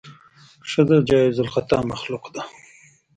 ښځه جایز الخطا مخلوقه ده.